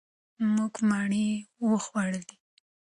مونږه مڼې وخوړلې.